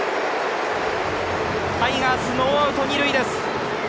タイガース、ノーアウト２塁です。